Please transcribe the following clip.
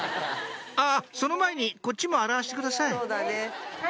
あその前にこっちも洗わせてください